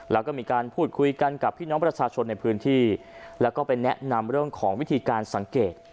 แล้วก็มีการพูดคุยกันกับพี่น้องประชาชนในพื้นที่แล้วก็ไปแนะนำเรื่องของวิธีการสังเกต